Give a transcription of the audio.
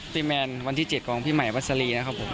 พี่แมนวันที่๗ของพี่ใหม่วัสลีนะครับผม